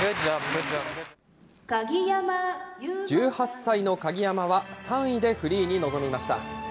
１８歳の鍵山は３位でフリーに臨みました。